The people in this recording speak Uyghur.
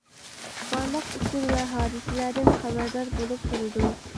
بارلىق ئۇچۇر ۋە ھادىسىلەردىن خەۋەردار بولۇپ تۇرىدۇ.